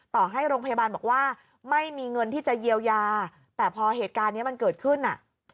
ต่อให้โรงพยาบาลบอกว่าไม่มีเงินที่จะเยียวยาแต่พอเหตุการณ์นี้มันเกิดขึ้นอ่ะ